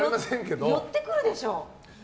でも、寄ってくるでしょ。